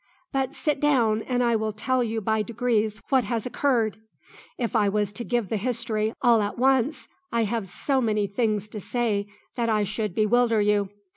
But sit down, and I will tell you by degrees what has occurred. If I was to give the history all at once, I have so many things to say that I should bewilder you.